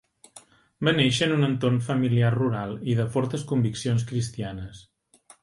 Va néixer en un entorn familiar rural i de fortes conviccions cristianes.